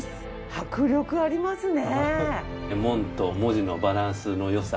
迫力ありますね！